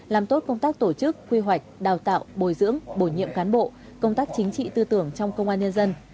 làm tốt công tác tổ chức quy hoạch đào tạo bồi dưỡng bổ nhiệm cán bộ công tác chính trị tư tưởng trong công an nhân dân